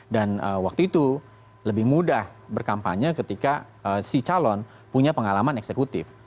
waktu itu lebih mudah berkampanye ketika si calon punya pengalaman eksekutif